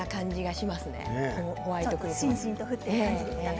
しんしんと降っている感じですかね。